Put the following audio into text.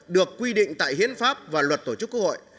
được quy định tại hiến pháp và luật tổ chức quốc hội